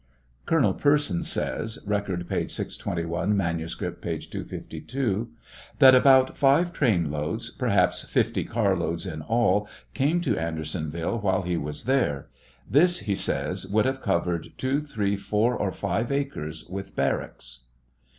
Colonel Persons says, (Record, p. 621; manuscript, p. 252,) "That about five train loads, perhaps fifty car loads in all," came to Andersonville while he was there. This, he says, would have covered two, three, four, or five acres with barracks.